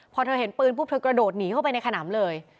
พอเธอเห็นปืนปุ๊บเธอกระโดดหนีเข้าไปในขนำเลย